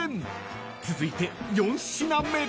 ［続いて４品目］